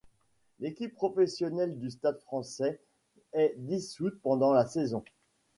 L'équipe professionnelle du Stade Français est dissoute pendant la saison.